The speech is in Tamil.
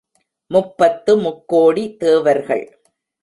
முப்பத்து முக்கோடி தேவர்கள்.